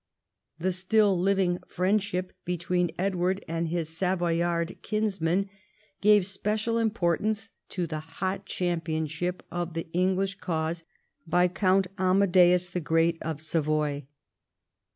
The still living friendship between Edward and his Savoyard kinsmen gave special importance to the hot championship of the English cause by Count Amadeus the Great of Savoy.